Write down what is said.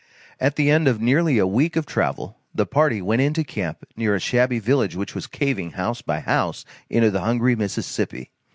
At the end of nearly a week of travel, the party went into camp near a shabby village which was caving, house by house, into the hungry Mississippi.